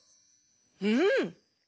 うん。